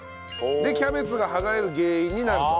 でキャベツが剥がれる原因になると。